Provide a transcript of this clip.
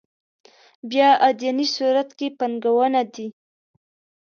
بیا اداينې صورت کې پانګونه دي.